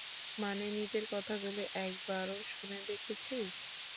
মানে, নিজের কথাগুলো একবারও শুনে দেখেছিস?